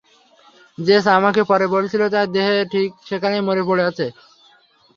JS আমাকে পরে বলেছিল তাদের দেহ ঠিক সেখানেই মরে পড়ে আছে।